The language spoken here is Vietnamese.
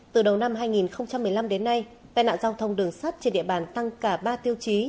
từ đầu năm hai nghìn một mươi năm đến nay tai nạn giao thông đường sắt trên địa bàn tăng cả ba tiêu chí